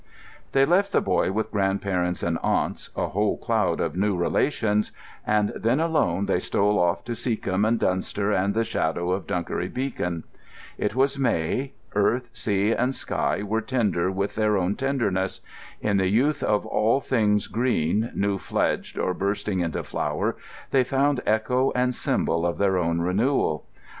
They left the boy with grandparents and aunts, a whole cloud of new relations; and then alone they stole off to Seacombe and Dunster, and the shadow of Dunkery Beacon. It was May. Earth, sea, and sky were tender with their own tenderness; in the youth of all things green, new fledged, or bursting into flower, they found echo and symbol of their own renewal.